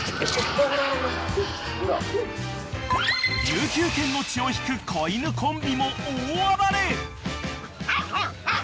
［琉球犬の血を引く子犬コンビも大暴れ］